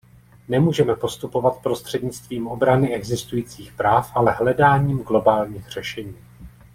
Nemůžeme postupovat prostřednictvím obrany existujících práv, ale hledáním globálních řešení.